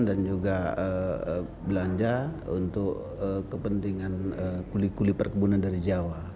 dan juga belanja untuk kepentingan kulit kulit perkebunan dari jawa